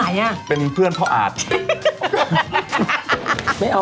ไม่เอาแล้วกูเผลอถามนี่ดีกว่า